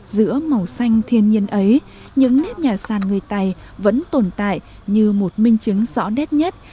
giữa màu xanh thiên nhiên ấy những nếp nhà sàn người tày vẫn tồn tại như một minh chứng rõ nét nhất